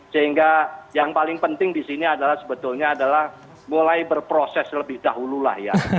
sehingga yang paling penting di sini adalah sebetulnya adalah mulai berproses lebih dahulu lah ya